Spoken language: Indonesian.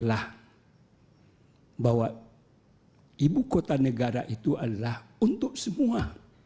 adalah bahwa ibu kota negara itu adalah untuk semua